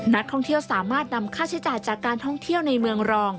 นักท่องเที่ยวสามารถนำค่าใช้จ่ายจากการท่องเที่ยวในเมืองรอง